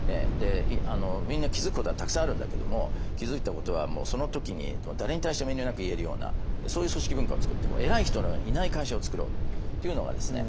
みんな気付くことはたくさんあるんだけども気付いたことはもうその時に誰に対しても遠慮なく言えるようなそういう組織文化をつくっていこう偉い人のいない会社をつくろう。っていうのがですね